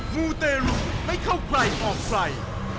มูเตรูให้เข้าใกล้ออกไฟ